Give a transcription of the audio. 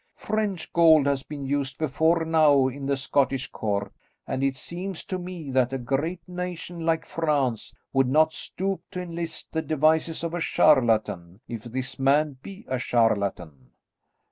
French gold has been used before now in the Scottish Court; and it seems to me that a great nation like France would not stoop to enlist the devices of a charlatan, if this man be a charlatan."